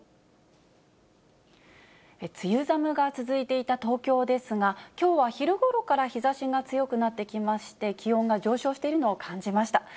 梅雨寒が続いていた東京ですが、きょうは昼ごろから日ざしが強くなってきまして、気温が上昇しているのを感じました。